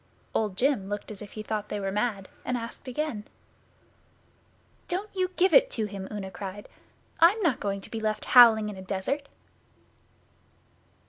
Old Jim looked as if he thought they were mad, and asked again. 'Don't you give it him,' Una cried. 'I'm not going to be left howling in a desert.